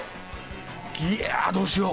いやどうしよう。